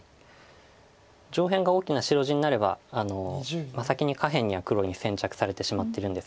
上辺が大きな白地になれば先に下辺には黒に先着されてしまってるんですけれども。